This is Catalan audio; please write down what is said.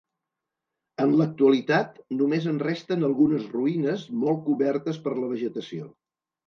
En l'actualitat només en resten algunes ruïnes molt cobertes per la vegetació.